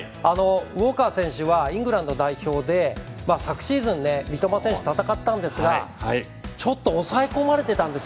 ウォーカー選手はイングランド代表で昨シーズン三笘選手戦ったんですがちょっと抑え込まれてたんです。